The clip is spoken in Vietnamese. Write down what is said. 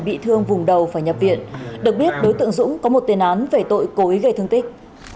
bị thương vùng đầu phải nhập viện được biết đối tượng dũng có một tên án về tội cố ý gây thương tích